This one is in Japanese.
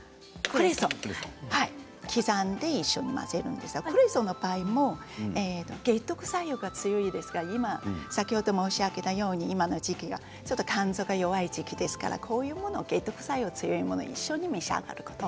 クレソンを刻んで一緒に入れるんですがクレソンの場合も解毒作用が強いですから先ほど申し上げたように今の時期ちょっと肝臓が弱い時期ですからこういうもの、解毒剤強いものを一緒に召し上がること。